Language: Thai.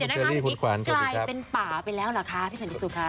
เดี๋ยวนะคะนี่กลายเป็นป่าไปแล้วหรือคะพี่สนิทสุคะ